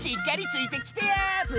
ついてきてや！